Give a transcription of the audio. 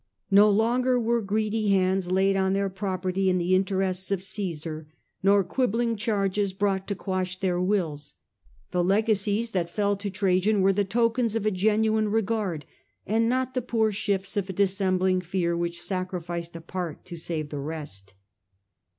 No longer were greedy hands laid on their property in the interests of Caesar, nor quibbling charges brought to quash their wills ; the legacies that fell to Trajan were the tokens of a genuine regard, and not the poor shifts of a dissembling fear which sacrificed a part to save the rest.